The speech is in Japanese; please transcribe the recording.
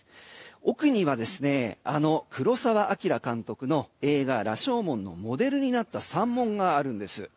奥には、あの黒澤明監督の映画「羅生門」のモデルになった山門があるんです。